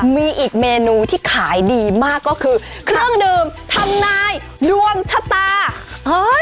มีอีกเมนูที่ขายดีมากก็คือเครื่องดื่มทำนายดวงชะตาเฮ้ย